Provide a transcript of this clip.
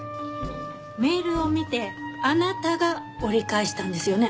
メールを見てあなたが折り返したんですよね？